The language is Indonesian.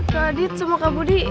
kak adit semua kak budi